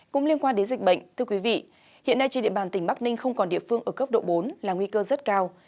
cũng liên quan đến dịch bệnh thưa quý vị hiện nay trên địa bàn tỉnh bắc ninh không còn địa phương ở cấp độ bốn là nguy cơ rất cao